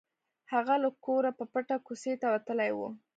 هغه له کوره په پټه کوڅې ته وتلی و